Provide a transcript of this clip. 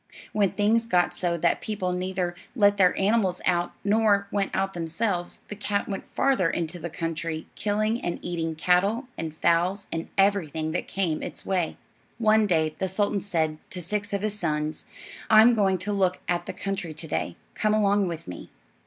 When things got so that people neither let their animals out nor went out themselves, the cat went farther into the country, killing and eating cattle, and fowls, and everything that came its way. One day the sultan said to six of his sons, "I'm going to look at the country to day; come along with me."